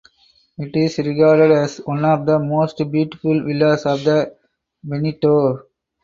It is regarded as one of the most beautiful villas of the Veneto.